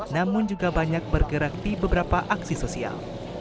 namun juga banyak bergerak di beberapa aksi sosial